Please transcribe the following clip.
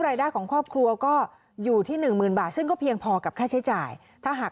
รายได้ของครอบครัวก็อยู่ที่หนึ่งหมื่นบาทซึ่งก็เพียงพอกับค่าใช้จ่ายถ้าหาก